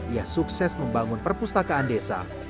ia sukses membangun perpustakaan desa